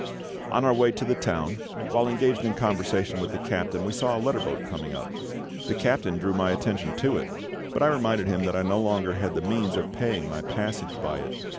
On our way to the town, while engaged in conversation with the captain, we saw a letter boat coming up. The captain drew my attention to it; but I reminded him that I had no longer the means of paying my passage by it.